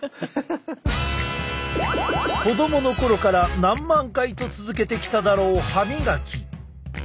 子どもの頃から何万回と続けてきただろう歯みがき。